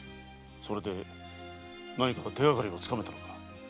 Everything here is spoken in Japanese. それで何か手がかりは掴めたのか？